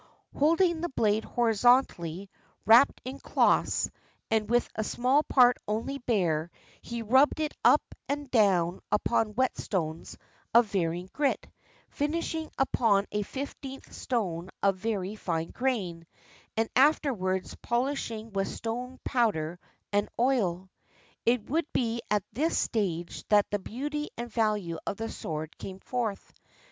Holding the blade horizontally wrapped in cloths, and with a small part only bare, he rubbed it up and down upon whetstones of varying grit, finishing upon a fifteenth stone of very fine grain, and afterwards poUsh ing with stone powder and oil. It would be at this stage that the beauty and value of the sword came forth.